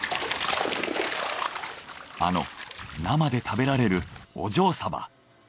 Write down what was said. あの生で食べられるお嬢サバ。